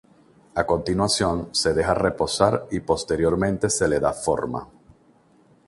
A continuación se deja reposar y posteriormente se le da forma.